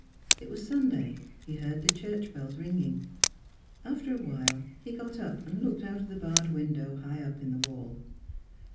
It was Sun day: he heard the church bells ringing. After awhile he got up and looked out of the barred window high up in the wall.